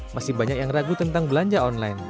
masih banyak yang ragu tentang belanja online